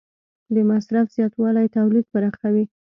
د مصرف زیاتوالی تولید پراخوي.